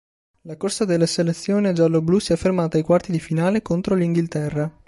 La corsa della selezione gialloblu si è fermata ai quarti di finale contro l'Inghilterra.